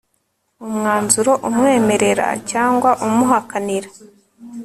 umwanzuro umwemerera cyangwa umuhakanira